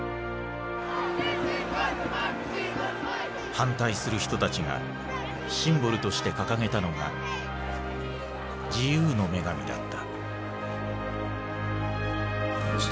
反対する人たちがシンボルとして掲げたのが自由の女神だった。